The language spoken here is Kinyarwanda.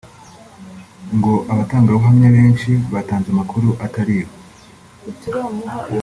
ngo abatangabuhamya benshi batanze amakuru atari yo